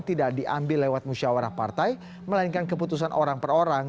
tidak diambil lewat musyawarah partai melainkan keputusan orang per orang